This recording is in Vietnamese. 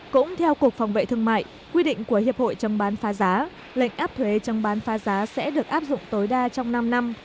cũng theo cục phòng vệ thương mại quy định của hiệp hội chống bán phá giá lệnh áp thuế chống bán phá giá sẽ được áp dụng tối đa trong năm năm